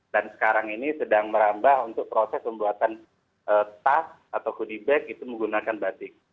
dan sekarang ini sedang merambah untuk proses pembuatan tas atau goodie bag itu menggunakan batik